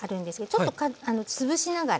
ちょっとつぶしながら。